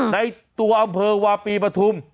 ในตัวอำเภอวาปีปฐุม